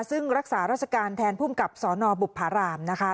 ซึ่งรักษาราชการแทนภูมิกับสนบุภารามนะคะ